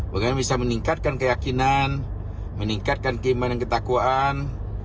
bagaimana bisa meningkatkan keyakinan meningkatkan keimanan ketakwaan